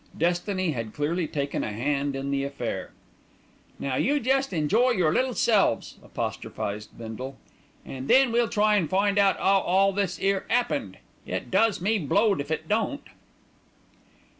Destiny had clearly taken a hand in the affair. "Now you jest enjoy your little selves," apostrophized Bindle, "an' then we'll try an' find out 'ow all this 'ere 'appened. It does me, blowed if it don't."